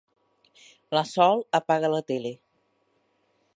La Sol apaga la tele.